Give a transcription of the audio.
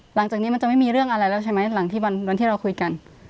หลังจากนี้มันจะไม่มีเรื่องอะไรแล้วใช่ไหมหลังที่วันที่เราคุยกัน